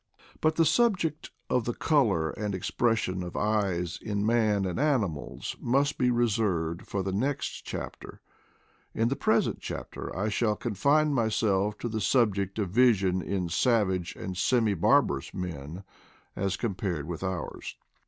But the subject of the colof and expression of eyes in man and animals must be reserved for the 160 IDLE DATS IN PATAGONIA next chapter; in the present chapter I shall con fine myself to the subject of vision in savage and semi barbarous men as compared with ours.